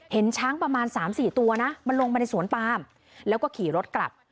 เห็นช้างประมาณ๓๔ตัวนะมันลงมาในสวนปามแล้วก็ขี่รถกลับ